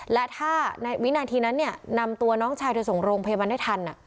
และถ้าวินาทีนั้นนำตัวน้องชายเธอส่งโรงพยาบาลได้ทัน